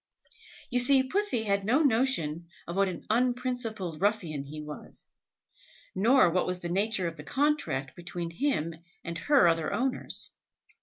You see Pussy had no notion of what an un principled ruffian he was, nor what was the nature of the contract between him and her other owners.